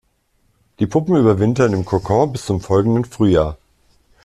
Die Puppen überwintern im Kokon bis zum folgenden Frühjahr.